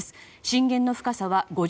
震源の深さは５０ｋｍ。